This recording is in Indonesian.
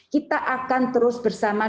kita akan terus bersama